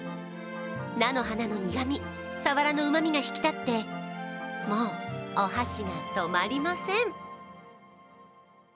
菜の花の苦み、サワラのうまみが引き立って、もうお箸が止まりません。